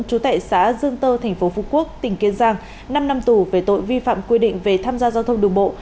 trú tại xã dương tơ tp phú quốc tỉnh kiên giang năm năm tù về tội vi phạm quy định về tham gia giao thông đường bộ